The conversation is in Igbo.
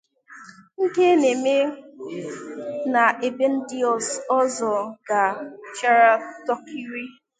nke na-eme na ebe ndị ọzọ gachaara tọkịrị